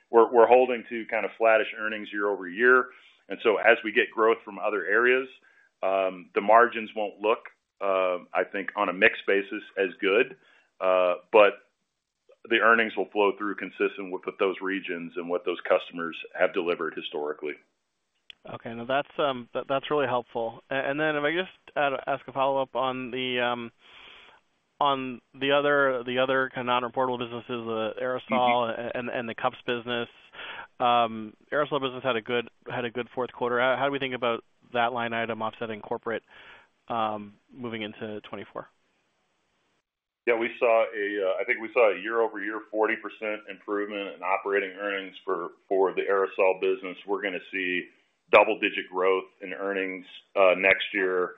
We're holding to kind of flattish earnings year over year, and so as we get growth from other areas, the margins won't look, I think, on a mix basis as good, but the earnings will flow through consistent with what those regions and what those customers have delivered historically. Okay. Now, that's, that's really helpful. And then if I just ask a follow-up on the, on the other, the other kind of non-reportable businesses, the aerosol and, and the cups business. Aerosol business had a good, had a good fourth quarter. How do we think about that line item offsetting corporate, moving into 2024? Yeah, we saw, I think, a year-over-year 40% improvement in operating earnings for the aerosol business. We're gonna see double-digit growth in earnings next year.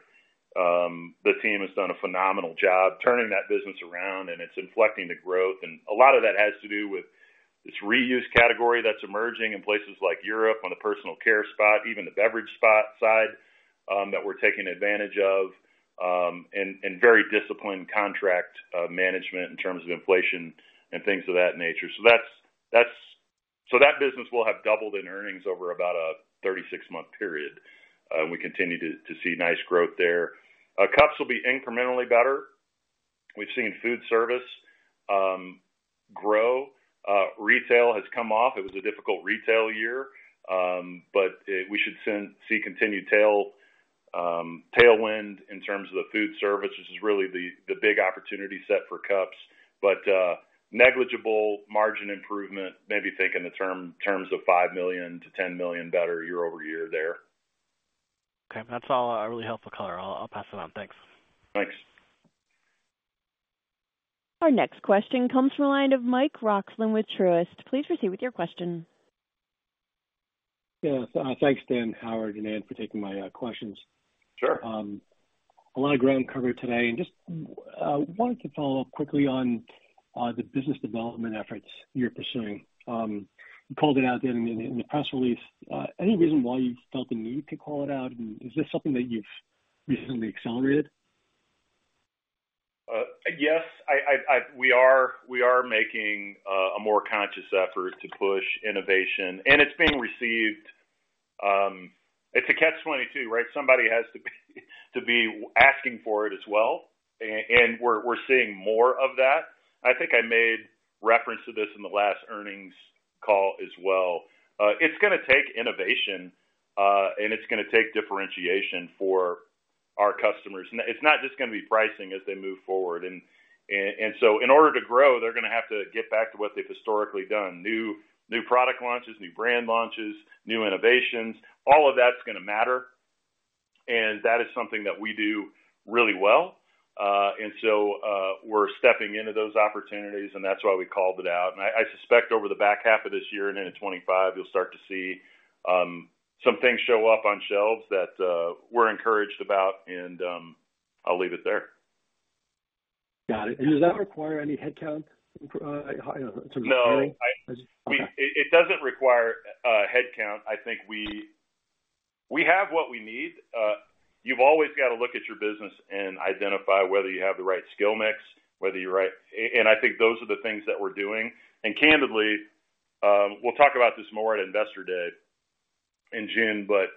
The team has done a phenomenal job turning that business around, and it's inflecting the growth. And a lot of that has to do with this reuse category that's emerging in places like Europe, on the personal care spot-side, that we're taking advantage of, and very disciplined contract management in terms of inflation and things of that nature. So that's so that business will have doubled in earnings over about a 36-month period, we continue to see nice growth there. Cups will be incrementally better. We've seen food service grow. Retail has come off. It was a difficult retail year, but we should see continued tailwind in terms of the food service, which is really the big opportunity set for cups, but negligible margin improvement, maybe think in the terms of $5 million-$10 million better year over year there. Okay. That's all a really helpful color. I'll, I'll pass it on. Thanks. Thanks. Our next question comes from the line of Mike Roxland with Truist. Please proceed with your question. Yes, thanks, Dan, Howard, and Ann, for taking my questions. Sure. A lot of ground covered today, and just wanted to follow up quickly on the business development efforts you're pursuing. You called it out in the press release. Any reason why you felt the need to call it out? And is this something that you've recently accelerated? Yes, we are making a more conscious effort to push innovation, and it's being received. It's a catch-22, right? Somebody has to be asking for it as well, and we're seeing more of that. I think I made reference to this in the last earnings call as well. It's gonna take innovation, and it's gonna take differentiation for our customers. It's not just gonna be pricing as they move forward. So in order to grow, they're gonna have to get back to what they've historically done. New product launches, new brand launches, new innovations, all of that's gonna matter, and that is something that we do really well. So we're stepping into those opportunities, and that's why we called it out. I suspect over the back half of this year and into 2025, you'll start to see some things show up on shelves that we're encouraged about, and I'll leave it there. Got it. And does that require any headcount, you know, to- No. Okay. It doesn't require headcount. I think we have what we need. You've always got to look at your business and identify whether you have the right skill mix, whether you're right... And I think those are the things that we're doing. And candidly, we'll talk about this more at Investor Day in June, but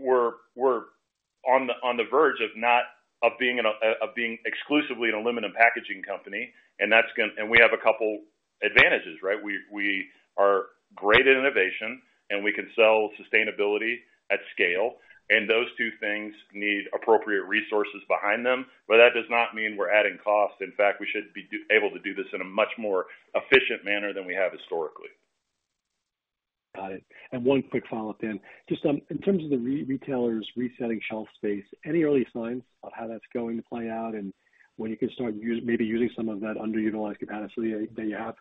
we're on the verge of not being exclusively an aluminum packaging company, and that's gonna... And we have a couple advantages, right? We are great at innovation, and we can sell sustainability at scale, and those two things need appropriate resources behind them. But that does not mean we're adding costs. In fact, we should be able to do this in a much more efficient manner than we have historically. Got it. One quick follow-up, Dan. Just, in terms of the retailers resetting shelf space, any early signs of how that's going to play out and when you can start using some of that underutilized capacity that you have?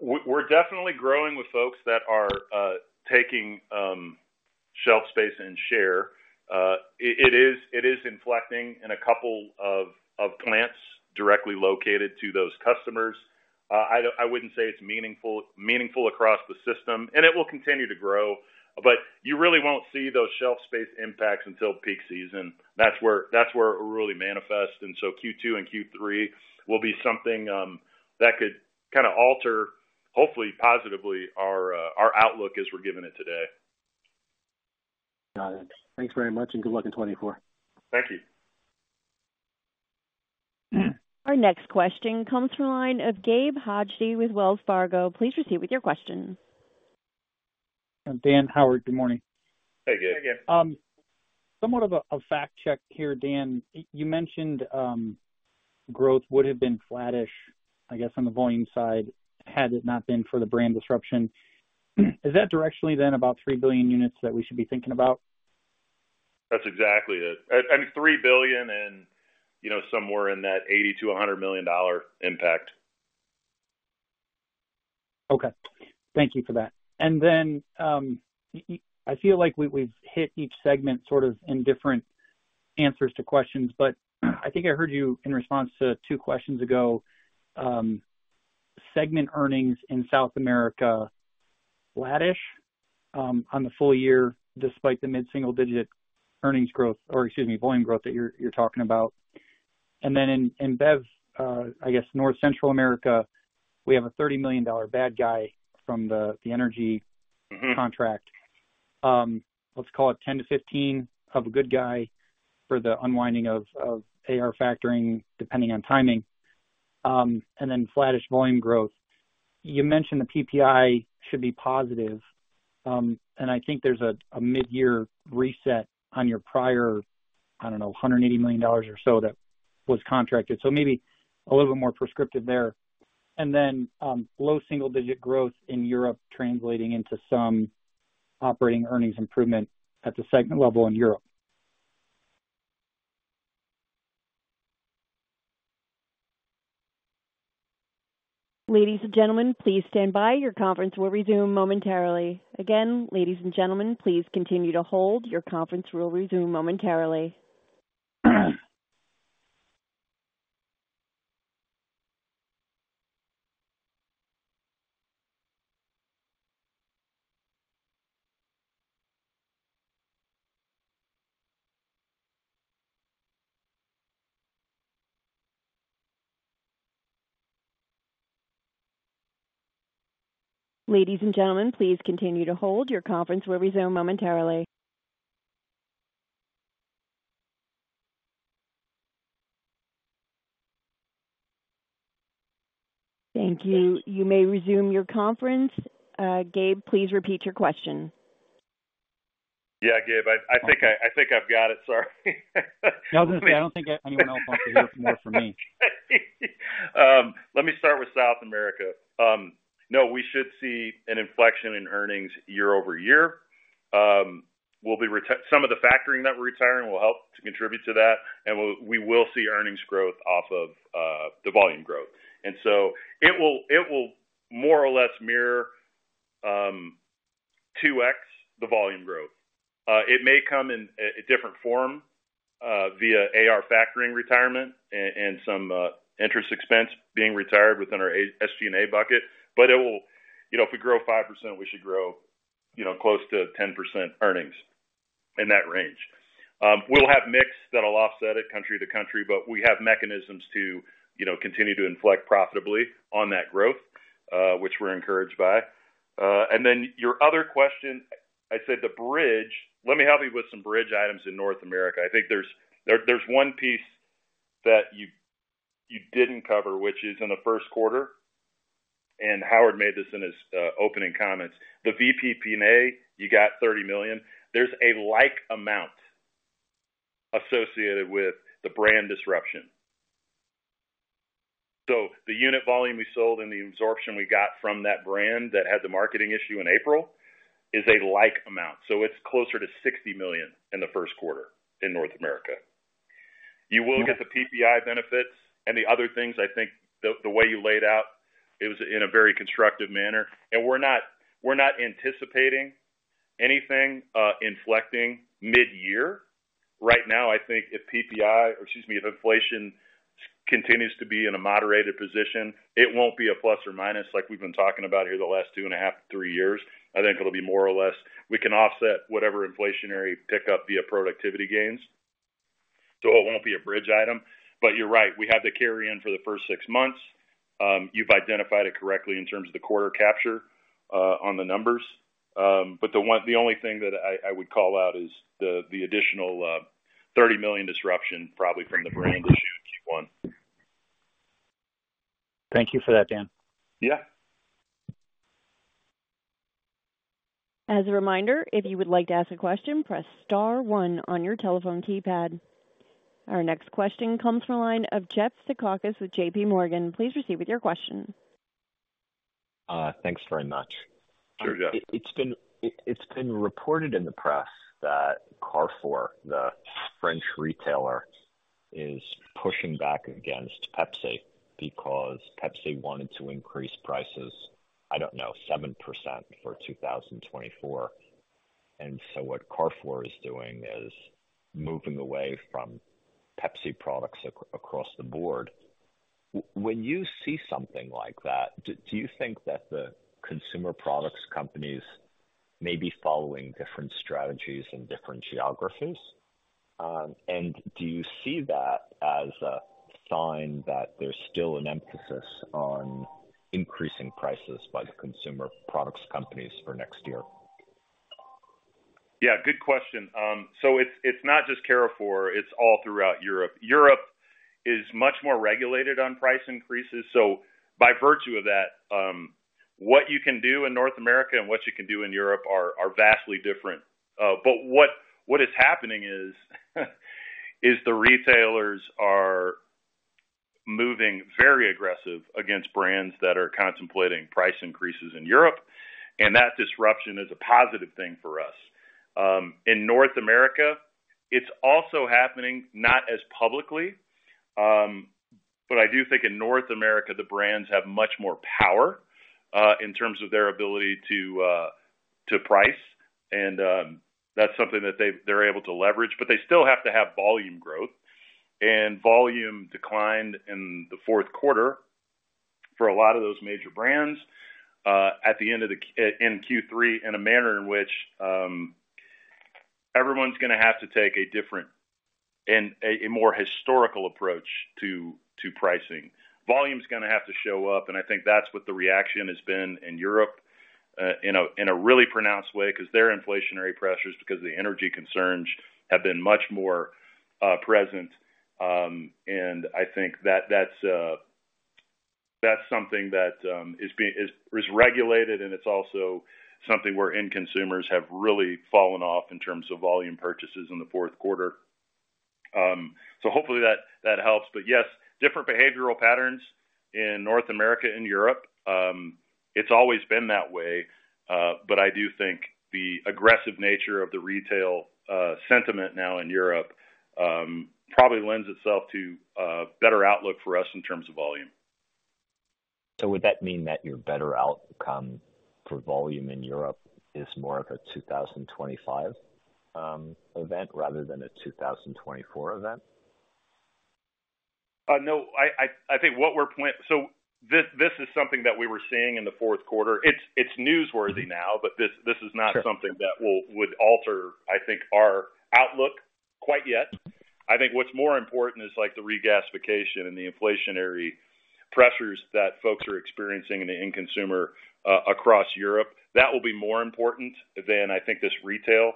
We're definitely growing with folks that are taking shelf space and share. It is inflecting in a couple of plants directly located to those customers. I wouldn't say it's meaningful across the system, and it will continue to grow, but you really won't see those shelf space impacts until peak season. That's where it really manifests. And so Q2 and Q3 will be something that could kinda alter, hopefully, positively, our outlook as we're giving it today. Got it. Thanks very much, and good luck in 2024. Thank you. Our next question comes from the line of Gabe Hajde with Wells Fargo. Please proceed with your question. Dan, Howard, good morning. Hey, Gabe. Somewhat of a fact check here, Dan. You mentioned growth would have been flattish, I guess, on the volume side, had it not been for the brand disruption. Is that directionally then about 3 billion units that we should be thinking about? That's exactly it. I mean, $3 billion and, you know, somewhere in that $80 million-$100 million dollar impact. Okay. Thank you for that. And then, I feel like we, we've hit each segment sort of in different answers to questions, but, I think I heard you in response to two questions ago, segment earnings in South America, flattish, on the full year, despite the mid-single-digit earnings growth, or excuse me, volume growth that you're talking about. And then in, in Bev, I guess North Central America, we have a $30 million bad guy from the, the energy- Mm-hmm... contract. Let's call it 10-15 of a good guy for the unwinding of AR factoring, depending on timing, and then flattish volume growth. You mentioned the PPI should be positive, and I think there's a mid-year reset on your prior, I don't know, $180 million or so that was contracted. So maybe a little bit more prescriptive there. And then, low single-digit growth in Europe, translating into some operating earnings improvement at the segment level in Europe. Ladies and gentlemen, please stand by. Your conference will resume momentarily. Again, ladies and gentlemen, please continue to hold. Your conference will resume momentarily. Ladies and gentlemen, please continue to hold. Your conference will resume momentarily. Thank you. You may resume your conference. Gabe, please repeat your question. Yeah, Gabe, I think I've got it, sorry. No, I don't think anyone else wants to hear more from me. Let me start with South America. No, we should see an inflection in earnings year-over-year. We'll be retiring some of the factoring that we're retiring will help to contribute to that, and we will see earnings growth off of the volume growth. So it will more or less mirror 2x the volume growth. It may come in a different form via AR factoring retirement and some interest expense being retired within our SG&A bucket, but it will... You know, if we grow 5%, we should grow, you know, close to 10% earnings... in that range. We'll have mix that'll offset it country to country, but we have mechanisms to, you know, continue to inflect profitably on that growth, which we're encouraged by. And then your other question, I'd say the bridge. Let me help you with some bridge items in North America. I think there's one piece that you didn't cover, which is in the first quarter, and Howard made this in his opening comments. The VPPA, you got $30 million. There's a like amount associated with the brand disruption. So the unit volume we sold and the absorption we got from that brand that had the marketing issue in April, is a like amount, so it's closer to $60 million in the first quarter in North America. You will get the PPI benefits and the other things, I think, the way you laid out, it was in a very constructive manner. And we're not anticipating anything inflecting mid-year. Right now, I think if PPI, or excuse me, if inflation continues to be in a moderated position, it won't be a plus or minus like we've been talking about here the last 2.5-3 years. I think it'll be more or less. We can offset whatever inflationary pickup via productivity gains, so it won't be a bridge item. But you're right, we have the carry in for the first 6 months. You've identified it correctly in terms of the quarter capture, on the numbers. But the only thing that I would call out is the additional $30 million disruption probably from the brand issue in Q1. Thank you for that, Dan. Yeah. As a reminder, if you would like to ask a question, press star one on your telephone keypad. Our next question comes from the line of Jeff Zekauskas with JP Morgan. Please proceed with your question. Thanks very much. Sure, Jeff. It's been reported in the press that Carrefour, the French retailer, is pushing back against Pepsi because Pepsi wanted to increase prices, I don't know, 7% for 2024. And so what Carrefour is doing is moving away from Pepsi products across the board. When you see something like that, do you think that the consumer products companies may be following different strategies in different geographies? And do you see that as a sign that there's still an emphasis on increasing prices by the consumer products companies for next year? Yeah, good question. So it's not just Carrefour, it's all throughout Europe. Europe is much more regulated on price increases. So by virtue of that, what you can do in North America and what you can do in Europe are vastly different. But what is happening is the retailers are moving very aggressive against brands that are contemplating price increases in Europe, and that disruption is a positive thing for us. In North America, it's also happening not as publicly, but I do think in North America, the brands have much more power in terms of their ability to price, and that's something that they're able to leverage, but they still have to have volume growth. Volume declined in the fourth quarter for a lot of those major brands at the end of Q3 in a manner in which everyone's gonna have to take a different and a more historical approach to pricing. Volume's gonna have to show up, and I think that's what the reaction has been in Europe in a really pronounced way, because their inflationary pressures, because the energy concerns have been much more present. And I think that's something that is regulated, and it's also something where end consumers have really fallen off in terms of volume purchases in the fourth quarter. So hopefully that helps. But yes, different behavioral patterns in North America and Europe. It's always been that way, but I do think the aggressive nature of the retail sentiment now in Europe probably lends itself to a better outlook for us in terms of volume. So would that mean that your better outcome for volume in Europe is more of a 2025 event rather than a 2024 event? No, I think what we're. So this is something that we were seeing in the fourth quarter. It's newsworthy now, but this is- Sure... not something that will, would alter, I think, our outlook quite yet. I think what's more important is like the regasification and the inflationary pressures that folks are experiencing in the end consumer across Europe. That will be more important than, I think, this retail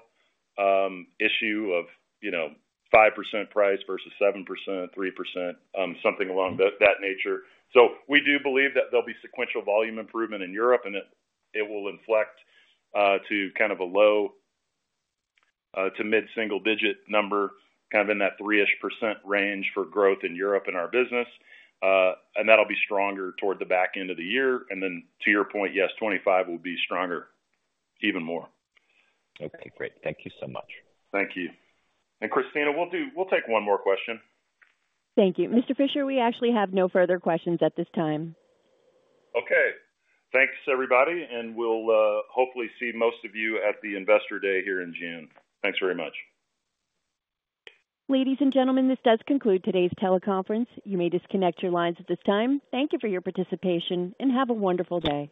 issue of, you know, 5% price versus 7%, 3%, something along that, that nature. So we do believe that there'll be sequential volume improvement in Europe, and it, it will inflect to kind of a low to mid-single-digit number, kind of in that 3-ish% range for growth in Europe in our business. And that'll be stronger toward the back end of the year. And then to your point, yes, 2025 will be stronger even more. Okay, great. Thank you so much. Thank you. Christina, we'll take one more question. Thank you. Mr. Fisher, we actually have no further questions at this time. Okay. Thanks, everybody, and we'll hopefully see most of you at the Investor Day here in June. Thanks very much. Ladies and gentlemen, this does conclude today's teleconference. You may disconnect your lines at this time. Thank you for your participation, and have a wonderful day.